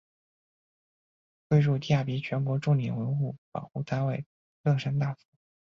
归入第二批全国重点文物保护单位乐山大佛。